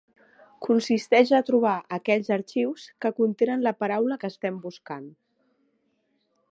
Consisteix a trobar aquells arxius que contenen la paraula que estem buscant.